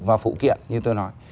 vật liệu phụ và phụ kiện như tôi nói